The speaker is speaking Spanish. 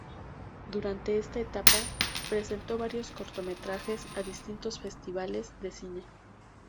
Durante esta etapa, presentó varios cortometrajes a distintos festivales de cine.